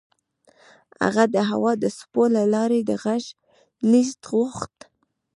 هغه د هوا د څپو له لارې د غږ لېږد غوښت